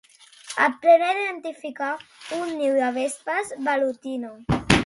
Aprendre a identificar un niu de vespa velutina.